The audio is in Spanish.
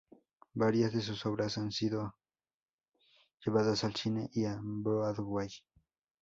Varias de sus obras han sido llevadas al cine y a Broadway.